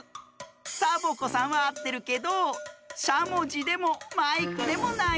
サボ子さんはあってるけどしゃもじでもマイクでもないんです。